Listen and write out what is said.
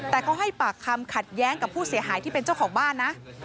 แต่เขาให้ปากคำขัดแย้งกับผู้เสียหายที่เป็นเจ้าของบ้านนะ